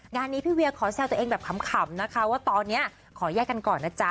งานนี้พี่เวียขอแซวตัวเองแบบขำนะคะว่าตอนนี้ขอแยกกันก่อนนะจ๊ะ